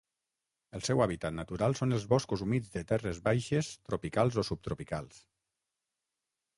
El seu hàbitat natural són els boscos humits de terres baixes tropicals o subtropicals.